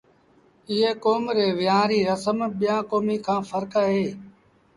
ايئ ڪوم ري ويهآݩ ريٚ رسم ٻيآݩ ڪوميݩ کآݩ ڦرڪ اهي